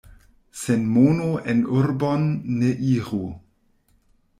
Sen mono en urbon ne iru.